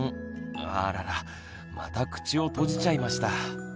あららまた口を閉じちゃいました。